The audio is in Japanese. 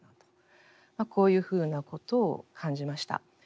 こういうふうなことを感じました。